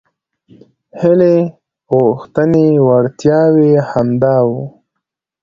هیلې غوښتنې وړتیاوې همدا وو.